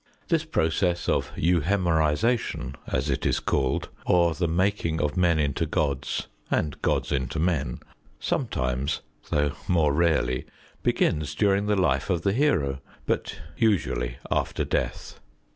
This process of euhemerisation, as it is called, or the making of men into gods and gods into men, sometimes, though more rarely, begins during the life of the hero, but usually after death.